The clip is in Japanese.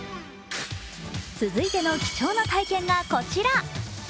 続いての貴重な体験がこちら。